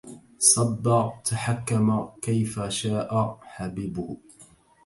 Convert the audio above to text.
صب تحكم كيف شاء حبيبه